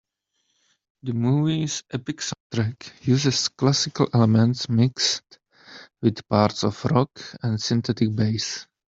The movie's epic soundtrack uses classical elements mixed with parts of rock and synthetic bass.